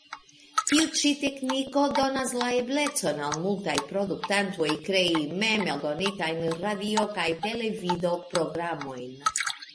Tiu ĉi tekniko donas la eblecon al multaj produktantoj krei mem-eldonitajn radio- kaj televido-programojn.